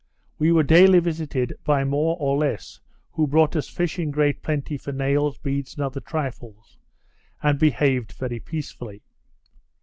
We were daily visited by more or less, who brought us fish in great plenty for nails, beads, and other trifles, and behaved very peaceably.